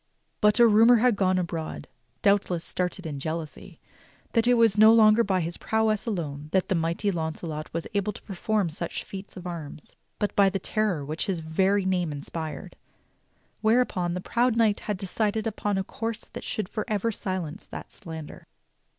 But a rumor had gone abroad, doubtless started in jealousy, that it was no longer by his prowess alone that the mighty Launcelot was 81 82 THE STORY OF KING ARTHUR able to perform such feats of arms, but by the terror which his very name inspired. Whereupon the proud knight had decided upon a course that should forever silence that slander.